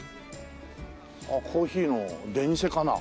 コーヒーの出店かな？